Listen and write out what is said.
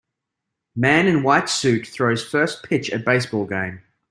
Man in white suit throws first pitch at baseball game.